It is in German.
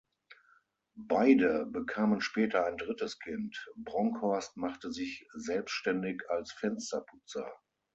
Beide bekamen später ein drittes Kind; Bronkhorst machte sich selbständig als Fensterputzer.